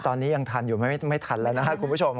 ตอนนี้ยังทันอยู่ไม่ทันแล้วนะครับคุณผู้ชม